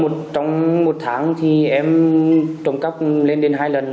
trong một tháng thì em trộm cắp lên đến hai lần